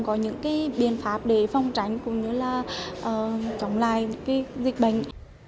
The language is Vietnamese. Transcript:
có những biện pháp để phong tránh cũng như là chống lại dịch bệnh